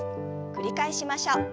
繰り返しましょう。